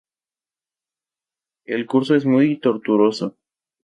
El curso es muy tortuoso.